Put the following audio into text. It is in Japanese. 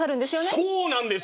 そうなんですよ！